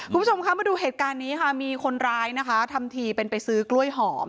คุณผู้ชมคะมาดูเหตุการณ์นี้ค่ะมีคนร้ายนะคะทำทีเป็นไปซื้อกล้วยหอม